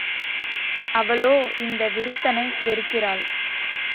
அவளோ இந்த விருத்தனை வெறுக்கிறாள்.